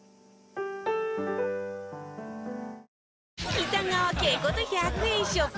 北川景子と１００円ショップ